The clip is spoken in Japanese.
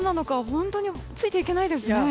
本当についていけないですね。